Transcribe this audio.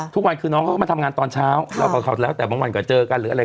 ทุกวันคือน้องเขาก็มาทำงานตอนเช้าเราก็แล้วแต่บางวันก็เจอกันหรืออะไร